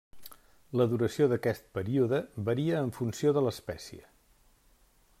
La duració d'aquest període varia en funció de l'espècie.